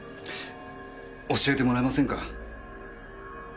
教えてもらえませんか。